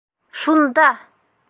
Шунда!